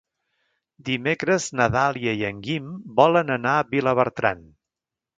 Dimecres na Dàlia i en Guim volen anar a Vilabertran.